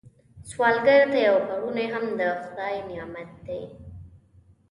سوالګر ته یو پړونی هم د خدای نعمت دی